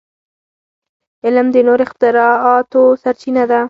علم د نوو اختراعاتو سرچینه ده.